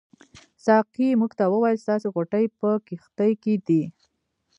ساقي موږ ته وویل ستاسې غوټې په کښتۍ کې دي.